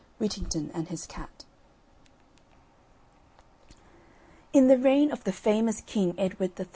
WHITTINGTON AND HIS CAT In the reign of the famous King Edward III.